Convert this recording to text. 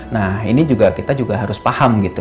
nah ini juga kita juga harus paham gitu